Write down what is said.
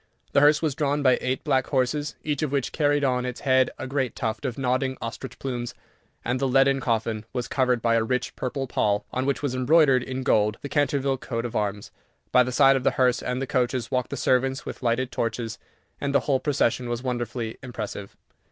The hearse was drawn by eight black horses, each of which carried on its head a great tuft of nodding ostrich plumes, and the leaden coffin was covered by a rich purple pall, on which was embroidered in gold the Canterville coat of arms. By the side of the hearse and the coaches walked the servants with lighted torches, and the whole procession was wonderfully impressive.